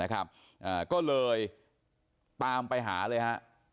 ก็เลยตามไปหาเลยครับ